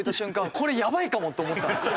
これやばいかもと思った。